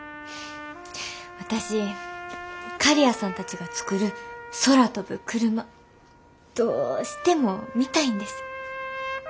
私刈谷さんたちが作る空飛ぶクルマどうしても見たいんです。